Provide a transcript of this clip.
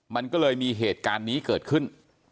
มันก็เลยมีเหตุการณ์นี้เกิดขึ้น